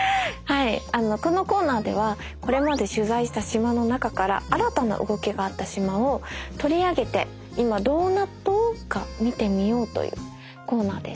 このコーナーではこれまで取材した島の中から新たな動きがあった島を取り上げて「今どうなっ島？」か見てみようというコーナーです。